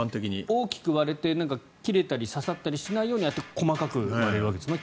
大きく割れて切れたり刺さったりしないように細かく割れるわけですね